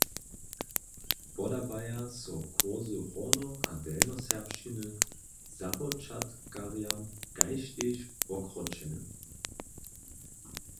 Podawaja so kursy horno- a delnoserbšćiny započatkarjam kaž tež pokročenym.